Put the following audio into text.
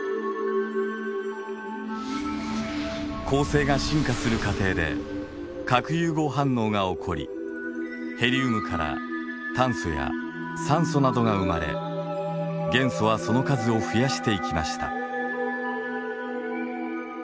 恒星が進化する過程で核融合反応が起こりヘリウムから炭素や酸素などが生まれ元素はその数を増やしていきました。